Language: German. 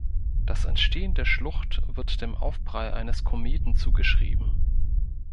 Das Entstehen der Schlucht wird dem Aufprall eines Kometen zugeschrieben.